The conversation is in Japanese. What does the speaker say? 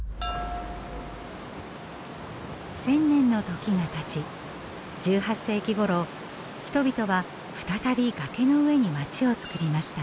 １，０００年の時がたち１８世紀ごろ人々は再び崖の上に街をつくりました。